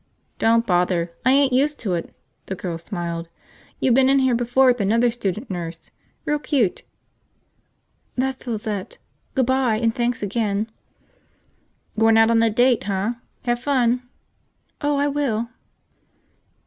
"Don't bother. I ain't used to it." The girl smiled. "You been in here before with another student nurse. Real cute." "That's Lizette. Good by, and thanks again." "Goin' out on a date, huh? Have fun." "Oh, I will!"